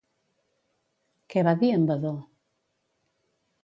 Què va dir en Vadó?